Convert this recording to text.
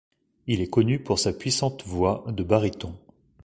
Il est connu pour sa puissante voix de baryton.